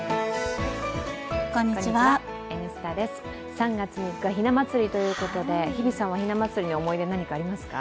３月３日、ひな祭りということで日比さんはひな祭りの思い出、何かありますか？